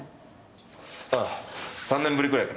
ああ３年ぶりぐらいかな。